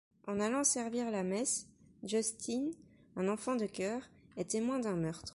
En allant servir la messe, Justin, un enfant de chœur, est témoin d'un meurtre.